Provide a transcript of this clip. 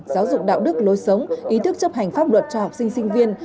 giáo dục đạo đức lối sống ý thức chấp hành pháp luật cho học sinh sinh viên